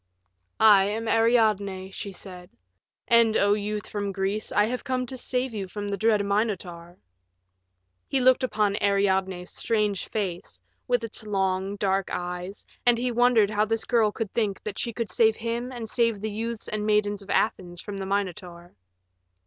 "I am Ariadne," she said, "and, O youth from Greece, I have come to save you from the dread Minotaur." He looked upon Ariadne's strange face with its long, dark eyes, and he wondered how this girl could think that she could save him and save the youths and maidens of Athens from the Minotaur.